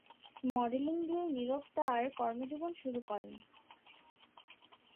Modelling দিয়ে নিরব তার কর্মজীবন শুরু করেন।